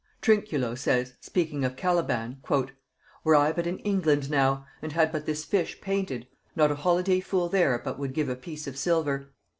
Trinculo says, speaking of Caliban, "Were I but in England now... and had but this fish painted, not a holiday fool there but would give a piece of silver.